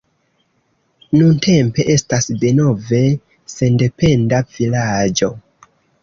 Nuntempe estas denove sendependa vilaĝo.